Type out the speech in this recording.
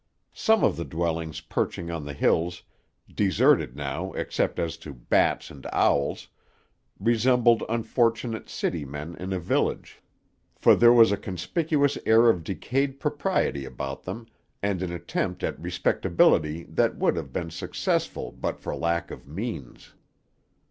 Some of the dwellings perching on the hills, deserted now except as to bats and owls, resembled unfortunate city men in a village; for there was a conspicuous air of decayed propriety about them, and an attempt at respectability that would have been successful but for lack of means.